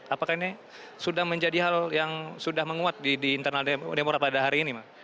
apakah ini sudah menjadi hal yang sudah menguat di internal demokrat pada hari ini pak